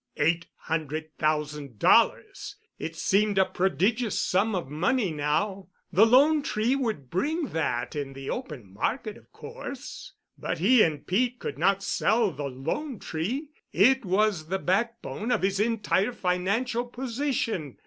Eight hundred thousand dollars! It seemed a prodigious sum of money now. The "Lone Tree" would bring that in the open market—of course, but he and Pete could not sell the "Lone Tree." It was the backbone of his entire financial position!